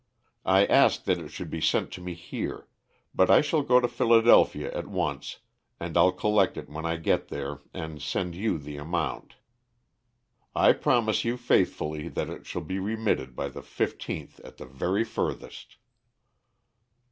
I asked that it should be sent to me here, but I shall go to Philadelphia at once, and I'll collect it when I get there and send you the amount. I promise you faithfully that it shall be remitted by the fifteenth at the very furthest."